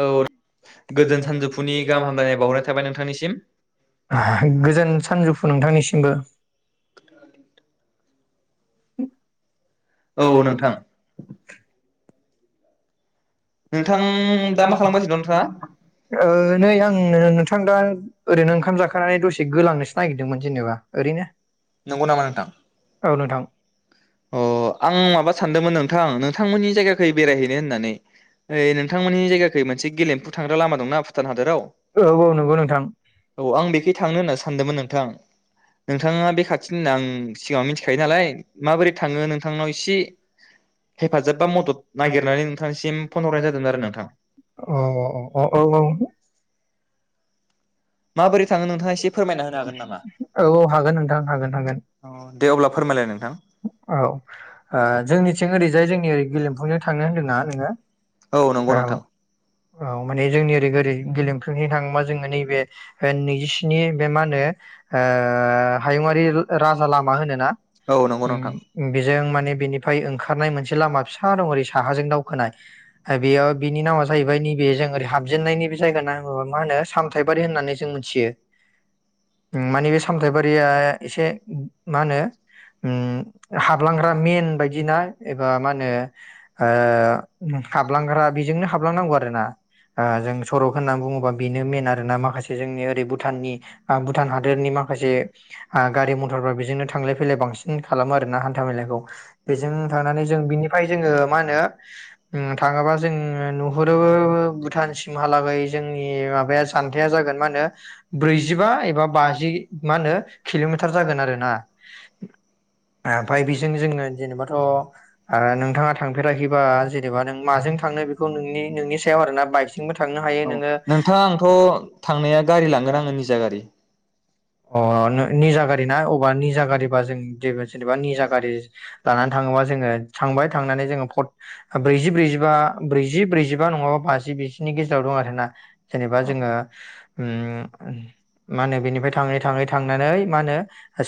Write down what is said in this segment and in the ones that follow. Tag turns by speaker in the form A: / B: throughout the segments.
A: औ
B: [unintelligible]
A: गोजोन सानजौफुनि गाहाम हामलायनाय बावहरनाय थाबाय नोंथांनिसिम
B: गोजोन सानजौफु नोंथांनिसिमबो। औ नोंथां नोंथां
A: मा खालामगासिनो दं
B: दा [unintelligible] नै आं नोंथां दा ओरैनो ओंखाम जाखानानै दसे गोलांनोसो नागिरदोंमोन जेनेबा ओरैनो।
A: नोंथाङा
B: औ नोंथां।
A: अ आं माबा सानदोंमोन नोंथां नोंथांमोन बै बेरायहैनो होननानै नोंथांमोननि जायगाखौै मोनसे गेलेमफु थांग्रा लामा दंना भुटान हादराव।
B: औ औ नंगौ नोंथां।
A: औ आं बेखै थांनो होनना सानदोंमोन नोंथां नोंथाङा बे खाथिनिनो आं सिगाङाव मिथिखायो नालाय माबोरै थाङो नोंथांनाव एसे हेफाजाब बा मदद नागिरनानै नोंथांनिसिम फन हरनाय जादोंमोन आरो नोंथां
B: [unintelligible] औ
A: माबोरै थाङो नोंथाङा एसे फोरमायना होनो हागोन नामा
B: औ हागोन नोंथां हागोन हागोन
A: अ दे अब्ला फोरमायलाय नोंथां
B: औ जोंनिथिं ओरैजाय जोंनि ओरै गेलेमफुजों थांनो होनदोंना
A: औ नंगौ
B: नोङो
A: नोंथां
B: औ। औ माने जोंनि ओरै ओरै गेलेमफनो थाङोबा जोङो नैबे नैजिस्नि बे मा होनो ओ हायुंआारि राजा लामा होनोना
A: औ नंगौ नोंथां।
B: बेजों माने बेनिफ्राय ओंखारनाय मोनसे लामा फिसा दं ओरै साहाजों दावखोनाय बेयाव बिनि नामा जाहैबाय नैबे जों ओरै हाब जेननायनि बे जायगा मा होनो सामथाय होननानै जों मोनथियो। मानि बे सामथायबारिया एसे मा होनो ओम हाबलांग्रा मेन बायदिना एबा मा होनो ओ हाबलांग्रा बेजोंनो हाबलांनांगौ आरो ना आ जों सरक होननानै बुङोबा बेनो मेन [unintelligible] माखासे जोंनि ओरै भुटाननि आ भुटान हादोरनि माखासे ओ गारि मथरफ्रा बेजोंनो थांलाय फैलाय बांसिन खालामो आरोना हान्था मेलाायखौ बेजों थांनानै जों बिनिफ्राय जोङो मा होनो ओम थाङोबा जों नुहरोबो भुटानसिमहालागै जोंनि माबाया जानथाया जागोन मा होनो ब्रैजिबा बा बाजि मा होनो किल'मिटार जागोन आरोना। ओमफ्राय बेजों जोङो जेनेबाथ' ओ नोंथाङा थांफेराखैबा जेनेबा नों माजों थांनो बेखौ नोंनि नोंनि सायाव आर ना बाइकजोंबो थांनो हायो
A: औ
B: नोङो।
A: नोंथाङा आंथ' थांनाया गारि लांगोन आङो निजा गारि।
B: अ निजा गारि ना अब्ला निजा गारि जों जे जेनेबा निजा गारि लानानै थाङोबा जोङो थांबाय थांनानै जोङो पत ब्रैजि ब्रैजिबा ब्रैजि ब्रैजिबा नङाबा बाजि बिसिनि गेजेराव दं आरोना जेनेबा
A: औ
B: जोङो ओम मा होनो बेनिफ्राय थाङै थाङै थांनानै मा होनो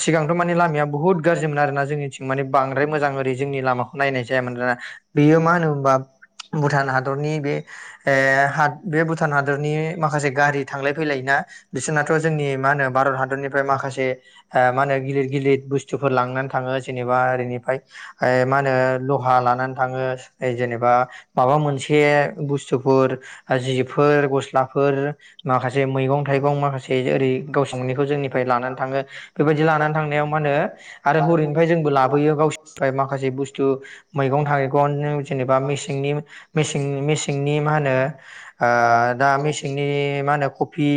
B: सिगांथ' माने लामाया बुहुत गाज्रिमोन आरोना जोंनिथिं माने बांद्राय मोजां ओरै जोंनि लामाखौ नायनाय जायामोन आरोना बेयो मा होनो हबा भुटान हादरनि बे हे बे भुटान हादरनि माखासे गारि थांलाय फैलायोना बिसोरनाथ' जोंनि मा होनो ओमफ्राय माखासे ओ मा होनो गिदिर गिदिर बुस्थुफोर लांनानै थाङो जेनेबा ओरैनिफ्राय ओ मा होनो लहा लानानै थाङो जेनेबा माबा मोनसे बुस्थुफोर जिफोर गस्लाफोर माखासे मैगं थाइगं माखासे ओरै गाव संनिखौ जोंनिफ्राय लानानै थाङो बेबायदि लानानै थांनायाव मा होनो आरो हरैनिफ्राय जोंबो लाबोयो गावोरनिफ्राय माखासे बुस्थु मैगं थाइगं जेनेबा मेसेंनि मेसें-मेसेंनि मा होनो ओ दा मेसेंनि मा होनो खफि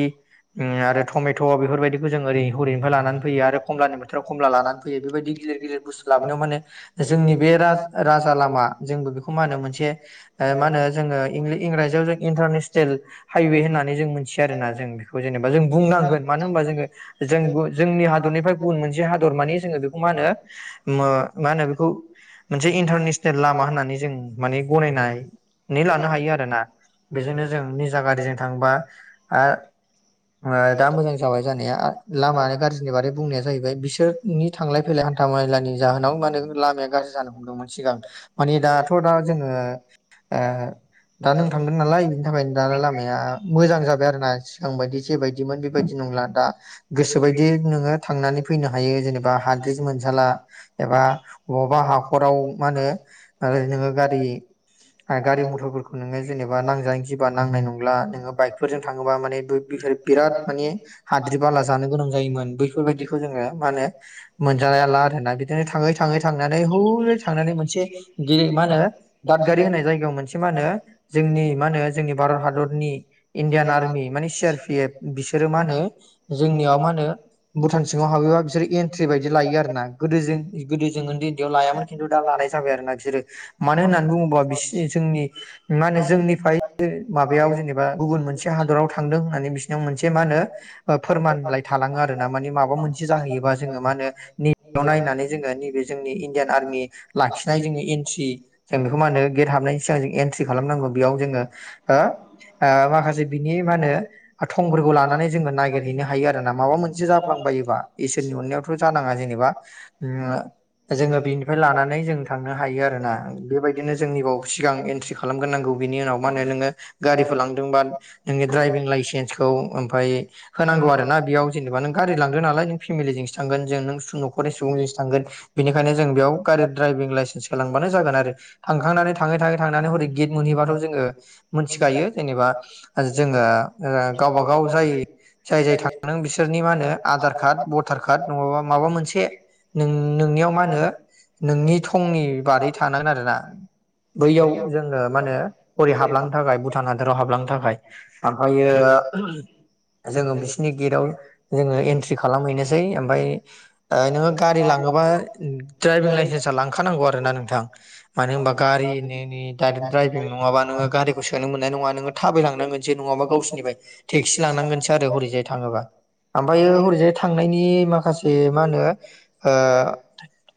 B: ओम आरो थमे बेफोरबायदिखौ हरैनिफ्राय लानानै फैयो आरो खमलानि बोथोराव खमला लानानै फैयो बेबायदि गिदिर गिदिर बुस्थु लाबोनायाव माने जोंनि बे राज-राजा लामा जोंबो बेखौ मा होनो मोनसे ओ मा होनो जोङो इंलि-इंराजियाव जों इन्टारनेसनेल हाइवे होननानै जों मोनथियो आरोना जों बेखौ जेनेबा जों बुंनांगोन। मानो होनबा जोङो जों जोंनि हादरनिफ्राय गुबुन मोनसे हादर मानि जोङो बेखौ मा होनो मा होनो बेखौ मोनसे इन्टारनेसनेल लामा होननानै जों माने गनायनानै लानो हायो आरो ना बेजोंनो जों निजा गारिजों थांबा आ आ दा मोजां। जाबाय जानाया लामा गाज्रिनि बागै बुंनाया जाहैबाय बिसोरनि थांलाय फैलाय हान्था मेलानि जाहोनाव माहोनो लामाया गाज्रि जानो हमदोंमोन सिगां मानि दाथ' दा जोङो ओ दा नों थांगोन नालाय बिनि थाखायनो दा लामाया मोजां जाबाय आरोना सिगां बायदि जेबायदिमोन बेबायदि नंला दा। गोसो बायदि नोङो थांनानै फैनो हायो जेनेबा हाद्रि मोनजाला एबा बबा हाख'राव मा होनो नोङो गारि गारि मथरफोरखौ नोङो जेनेबा नांजानो जिबा नांनाय नंला नोङो बाइकफोरजों थाङोबा माने बिफ-बिराद [unintelligible] हाद्रि बाला जानो गोनां जायोमोन बैफोरबायदिखौ जोङो मा होनो मोनजाला आरोना बिदिनो थाङै थाङै थांनानै हौरै थांनानै मोनसे गिद मा होनो दादगारि होननाय जायगायाव मोनसे मा होनो जोंनि मा होनो जोंनि भारत हादरनि इण्डियान आर्मि माने सि आर पि एफ बिसोरो मा होनो जोंनियाव मा होनो भुटान सिङाव हाबैबा बिसोरो एन्ट्रि बायदि लायो आरो ना गोदो जों गोदो जों ओन्दै ओन्दैयाव लायामोन खिन्थु दा लानाय जाबाय आरो ना बिसोरो मानो होननानै बुङोबा बिसोर जोंनि मा होनो जोंनिफ्राय माबायाव जेनेबा गुबुन मोनसे हादराव थांदों होननानै बिस मोनसे माहोनो फोरमानलाइ थालाङो आरो ना मानि माबा मोनसे जाहैयोबा जोङो मा होनो नैबेयाव नायनानै जोङो नैबे जोंनि इण्डियान आर्मि लाखिनाय जोंनि एनथि जों बेखौ मा होनो गेट हाबनायनि सिगां जों एन्ट्रि खालामनांगौ बेयाव जोङो ओ ओ माखासे बिनि मा होनो थंफोरखौ लानानै जोङो हैनो हायो आरोना माबा मोनसे जाफ्लांबायोबा इसोरनि अन्नायावथ जानाङा जेनबा उम ओ जोङो बेनिफ्राय लानानै जों थांनो हायो आरोना। बेबादिनो जोंनि बाव सिगां एनथ्रि खालामग्रोनांगौ बेनि उनाव माहोनो बेनि उनाव नोङो गारिफोर लांदोंबा नोंनि ड्रायभिं लायसेन खौ ओमफाय होनांगौ आरो ना बेयाव जेनेबा नों गारि लांदो नालाय नों फेमिलिजोंसो थांगोन जों नों नख'रनि सुबुंजोंसो थांगोन बेनिखायनो जों बेयाव गारि ड्राइभिं लाइसेन्सखो लांबानो जागोन आरो थांखांनानै थाङै थाङै थांनानै हरै गेट मोनहैबाथ जोङो मोनथिखायो जेनेबा जोङो ओ गावबा गाव जायो। नों बिसोरनि मा होनो आधार कार्ड भटार कार्ड नङाबा माबा मोनसे नों नोंनियाव मा होनो नोंनि थंनि बादै थानांगोन आरोना बैयाव जोङो मा होनो हरै हाबलांनो थाखाय भुटान हादोराव हाबलांनो थाखाय आमफायो [unintelligible] नि गेटाव जोङो एन्ट्रि खालामहैनोसै ओमफाय ओ नोङो गारि लाङोबा द्राइभिं लाइसेन्सा लांखानांगौ आरो ना नोंथां। मानो होनबा गारिनि नि दाइरेक्ट द्राइभिं नङाबा नोङो गारिखौ सोनो मोननाय नङा नोङो थाबायलांनांगोनसै नङाबा गावसिनि फाय सि लानांगोन सो आरो थाङोबा आमफायो हरै जाय थांनायनि माखासे मा होनो ओ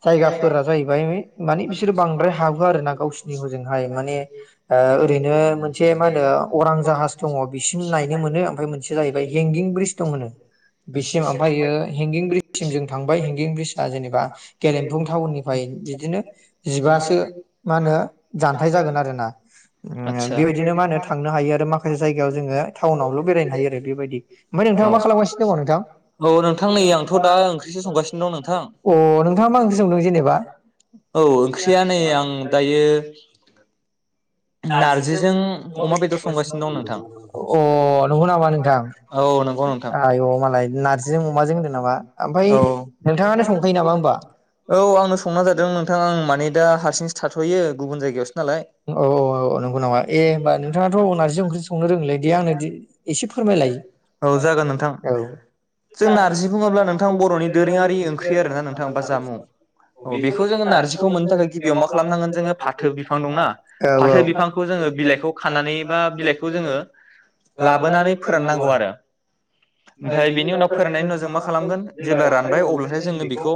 B: जायगाफोरा जाहैबाय माने बिसोर बांद्राय हाबो आरोना गावसिनि हजोंहाय माने ओ ओरैनो मोनसे मा होनो अरां जाहास दङ बिसिम लाय बे मोनो आमफाय मोनसेया जाहैबाय हें गिं ब्रिज दं होनो बिसिम ओमफ्रायो हेंगिं ब्रिज सिम जों थांबाय हेंगिं ब्रिजआ जेनेबा गेरेमफुन टाउननिफाय बिदिनो जिबासो मा होनो जान्थाइ जागोन आरो ना। उम
A: आदसा
B: बे बायदिनो मा होनो थांनो हायो आरो माखासे जायगायाव जोङो बावल बेरायनो हायो आरो बेबायदि
A: ओरैनो मा खालामगासिनो दं नोंथां? औ नोंथां नै आंथ दा ओंख्रिसो संगासिनो दं नोंथां।
B: अ नोंथाङा मा ओंख्रि संदों जेनेबा
A: औ ओंख्रिया नै आं दायो
B: नारजिजों अमा बेदर संगासिनो दं नोंथां। अ नंगौ नामा नोंथां।
A: औ नंगौ नोंथां
B: आय' मालाय नार्जिजों अमाजों होनदों नामा ओमफ्राय
A: औ
B: नोंथाङानो संखायो नामा होमबा
A: औ आंनो संना जादों नोंथां आं माने दा हारसिं थाथयो गुबुन जायगायावसो नालाय
B: औ औ औ नंगौ नामा ए होमबा नोंथाङाथ नारजि ओंख्रि संनो रोङोलै दे आंनो दि एसे फोरमायलाय
A: औ जागोन नोंथां
B: औ
A: जों नारजि बुङोब्ला नोंथां बर'नि दोरोङारि ओंख्रि आरोना नोंथां बा जामुं औ बेखौ जोङो नारजिखौ मोननो थाखाय गिबियाव मा खालामनांगोन जोङो फाथो बिफां दं ना फाथो
B: औ
A: बिफांखौ जोङो बिलाइखौ खानानै बा बिलाइखौ जोङो लाबोनानै फोराननांगौ आरो ओमफाय बेनि उनाव फोराननायनि उनाव जों मा खालामगोन जेब्ला रानबाय अब्लाथाय जोङो बेखौ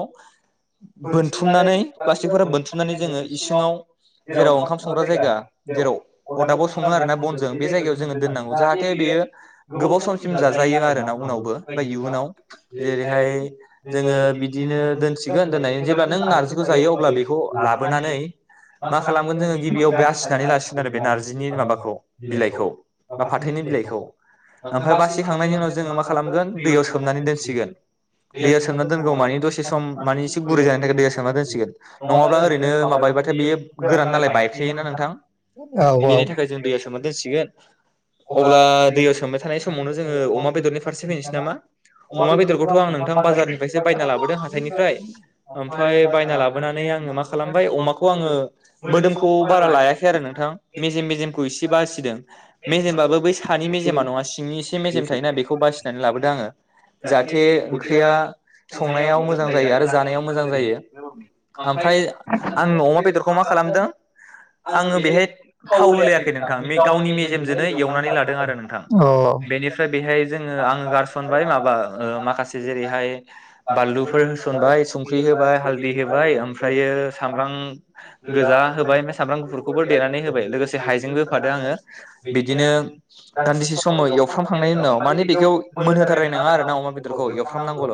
A: बोनथुमनानै प्लास्टिकफोरा बोनथुमनानै जोङो इसिङाव जेराव ओंखाम संग्रा जायगा जेराव अरदाबाव‌ सङो आरोना फनजों बे जायगायाव जोङो दोननांगौ जाहाथे बियो गोबाव सम सिम जा जायो आरो ना उनावबो फाय इउनाव जेरैहाय जोङो बिदिनो दोनसिगोन दोनाय जेब्ला नों नारिखौ जायो अब्ला बेखौ लाबोनानै मा खालामगोन जोङो गिबियाव बासिनानै लासिगोन आरो बे नारजिनि माबाखौ बिलाइखौ बा
B: [unintelligible]
A: खांनायनि उनाव जों मा खालामगोन दैयाव सोमनानै दोनसिगोन दैयाव सोमना दोनगौ मानि दसे सम मानि इसे गुरै जानायनि थाखाय दैयाव सोमना दोनसिगोन नङाब्ला ओरैनो माबायोबाथाय बेयो गोरान नालाय थोयोना नोंथां
B: औ
A: बेनि थाखाय जों दैया सोमना दोनसिगोन। अब्ला दैयाव सोमबाय थानाय समावनो जोङो अमा बेदरनि फारसे फैनोसै नामा अमा बेदरखौथ आं नोंथां बाजारनिफ्रायसो बायना लाबोदों हाथाइनिफ्राय ओमफ्राय बायना लाबोनानै आङो मा खालामबाय अमाखौ आङो मोदोमखौ बारा लायाखै आरो नोंथां मेजेम मेजेमखौ इसे बासिदों। मेजेमबाबो बै सानि मेजेमा नङा सिंनि एसे मेजेम थायोना बेखौ बासिनानै लाबोदों आङो जाहाथे ओंख्रिया संनायाव मोजां जायो आरो जानायाव मोजां जायो ओमफ्राय आं अमा बेदरखौ मा खालामदों आङो बेहाय थाव होलाययाखै नोंथां गावनि मेजेम
B: अ।
A: बेनिफ्राय बेहाय जोङो आङो गारसनबाय माबा माखासे जेरैहाय बानलुफोर होसनबाय संख्रि होबाय हालदि होबाय ओमफ्रायो सामब्राम गोजा होबाय ओमफ्राय सामब्राम गुफुरखौबो देनानै होबाय लोगोसे हाइजेंबो होफादों आङो। बिदिनो दान्दिसे समाव एव एवफ्रामखांनायनि उनाव माने बेखौ मोनहोथारनाय नङा आरोना अमा बेदरखौ एवफ्रामनांगौल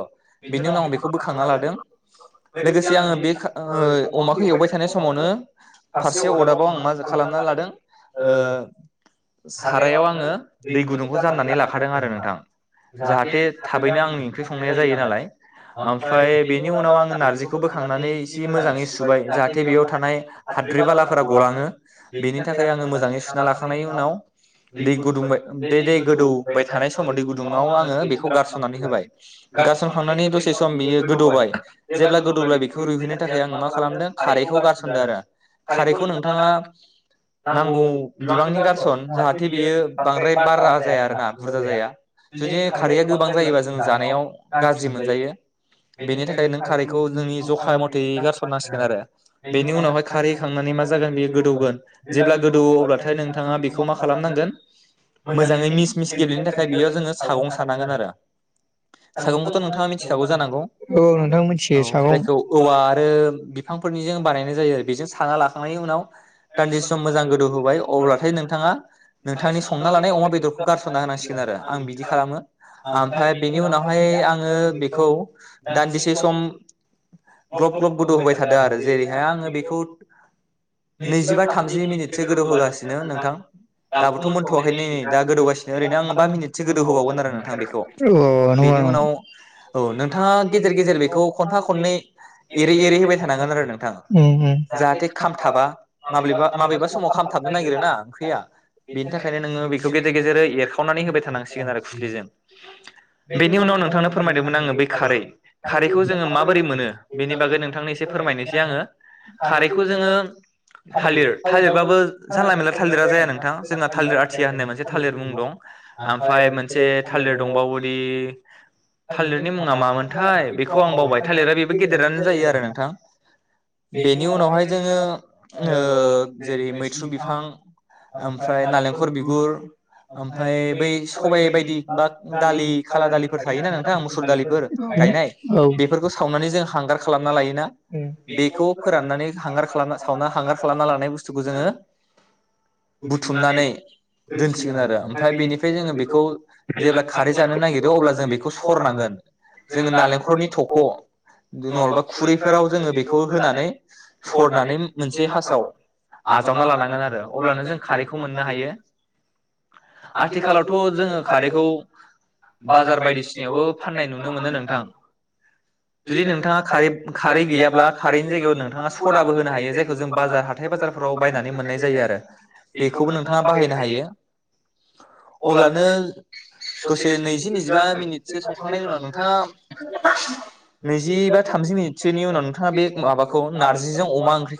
A: बिनि उनाव आं बेखौ बोखांना लादों लोगोसे आङो बे ओ अमाखौ एवबाय थानाय समावनो फारसे अरदाबाव आं मा खालामना लादों ओ सारायाव आङो दै गुदुंखौ जाननानै लाखादों आरो नोंथां जाहाथे थाबैनो आंनि ओंख्रि संनाया जायो नालाय ओमफ्राय बेनि उनाव आङो नार्जिखौ बोखांनानै एसे मोजाङै सुबाय जाहाथे बेयाव थानाय हाद्रि बालाफोरा गलाङो बेनि थाखाय आङो मोजाङै सुना लाखांनाय उनाव दै गुदुंबाय बे दै गोदौबाय थानाय समाव दै गुदुङाव आङो बेखौ गारसननानै होबाय गारसनखांनानै दसे सम बियो गोदौबाय जेब्ला गोदौब्ला बेखौ रुइहोनो थाखाय आङो मा खालामदों खारैखौ गारसनदों आरो खारैखौ नोंथाङा नांगौ बिबांनि [unintelligible] जाहाथे बियो बांद्राय बारा जाया आरोना बुरजा जाया जुदि खारैआ गोबां जायोबा जों जानायाव गाज्रि मोनजायो बेनि थाखाय नों खारैखौ जोंनि जखा मथेै गारसनांसिगोन आरो बेनि उनावहाय खारै खांनानै मा जागोन बेयो गोदौगोन जेब्ला गोदौ अब्लाथाय नोंथाङा
B: [unintelligible] बेखौ मा खालामनांगोन मोजाङै
A: मिस मिस गेब्लेनो थाखाय बियो जोङो सागं सानांगोन आरो सागंखौथ नोंथाङा मिथिखागौ जानांगौ
B: अ औ नोंथां
A: औ
B: मिथियो सागं
A: जायखौ औवा आरो बिफां फोरनिजों बानायनाय जायो आरो बेजों साना लाखांनायनि उनाव दान्दिसे सम मोजां गोदौ होबाय अब्लाथाय नोंथाङा नोंथांनि संना लानाय अमा बेद बेदरखौ गारसनना होनांसिगोन आरो आं बिदि खालामो ओमफ्राय बेनि उनावहाय आङो बेखौ दान्दिसे सम ग्लब ग्लब गोदौ होबाय थादों आरो जेरैहाय आङो बेखौ नैजिबा थामजि मिनिटसो गोदौ होगासिनो नोंथां दाबोथ मोनथवाखै नै दा गोदौगासिनो ओरैनो आं बा मिनिटसो गोदौ होबावगोन आरो नोंथां बेखौ
B: अ नंगौ
A: बेनि
B: नामा
A: उनाव औ नोंथाङा गेजेर गेजेर बेखौ खनफा खननै एरै एरै होबाय थानांगोन आरो नोंथां
B: उम उम
A: जाहाथे खामथाबा। माब्लिबा माबेबा समाव खामथाबनो नागिरोना ओंख्रिया बेनि थाखायनो नोङो। बेखौ गेजेर गेजेरै एरखावनानै होबाय थानांसिगोन आरो खुस्लिजों बेनि उनाव नोंथांनो फोरमायदोंमोना आङो बै खारै खारैखौ जोङो माबोरै मोनो बेनि बागै नोंथांनो एसे फोरमायनोसै आङो खारैखौ जोङो थालिर थालिरबाबो जानला मला थालिरा जाया नोंथां जोंना थालिर आथिया या होननाय मोनसे थालिर मुं दं आमफाय मोनसे थालिर दंबावोदि थालिरनि मुङा मामोनथाय बेखौ आं बावबाय थालिरा बेबो गेदेरानो जायोआरो नोंथां बेनि उनावहाय जोङो ओ जेरै मैत्रु बिफां औमफ्राय नालेंख खर बिगुर ओमफ्राय बै सबाय बायदि बा
B: औ उम
A: दालि खाला दालिफोर थायोना नोंथां मुसुर दालिफोर गायनाय बेफोरखौ सावनानै जों हांगार खालामना लायोना बेखौ फोराननानै हांगार खालामना सावना हांगार खालामना लानाय बुस्थुखौ जोङो बुथुमनानै दोनसिगोन आरो ओमफ्राय बेनिफ्राय जोङो बेखौ जेब्ला खारै जानो नागिरो अब्ला जों बेखौ सरनांगोन जोङो नालेंखलनि थख दो नङाब्ला खुरैफोराव जोङो बेखौ होनानै सरनानै मोनसे दे हासाव आजावना लानांगोन आरो अब्लानो जों खारैखौ मोननो हायो आथिखालावथ जोङो खारैखौ बाजार बायदिसिनायावबो फाननाय नुनो मोनो नोंथां जुदि नोंथाङा खरै खारै गैयाब्ला खारैनि जायगायाव नोंथाङा सदाबो होनो हायो जाय जों बाजार हाथाय बाजारफोराव बायनानै मोननाय जायो आरो बेखौबो नोंथाङा बायनो
B: अब्लानो
A: अब्लानो
B: दसे नैजि नैजिबा मिनिटसो संखांनायनि उनाव नोंथाङा नैजि बा थामजि मिनिट सोनि उनाव नोंथाङा बे माबाखौ नार्जिजों अमा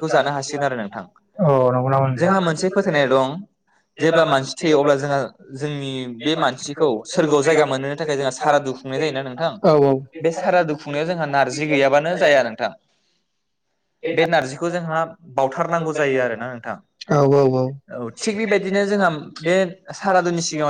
A: जोंहा मोनसे फोथायनाय दं
B: [unintelligible]
A: जेब्ला मानसि थैयो अब्ला जोंहा जोंनि बे मानसिखौ सोरगोआव जायगा मोनहोनो थाखाय जोंहा सारादु खुंनाय जायोना नोंथां
B: औ
A: बे सारादु खुंनायाव जोंहा नारजि गैयाबानो जाया नोंथां बे नार्जिखौ जोंहा बावथारनांगौ जायो आरोना
B: [unintelligible]
A: बिदिनो जोंहा बे सारादुनि सिगाङाव